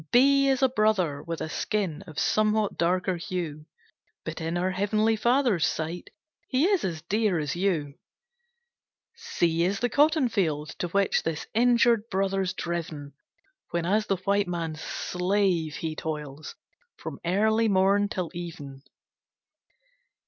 B B is a Brother with a skin Of somewhat darker hue, But in our Heavenly Father's sight, He is as dear as you. C C is the Cotton field, to which This injured brother's driven, When, as the white man's slave, he toils, From early morn till even.